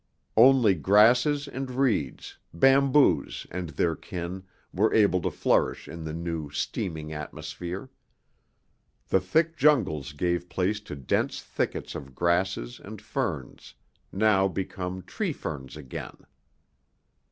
Only grasses and reeds, bamboos and their kin, were able to flourish in the new, steaming atmosphere. The thick jungles gave place to dense thickets of grasses and ferns, now become treeferns again.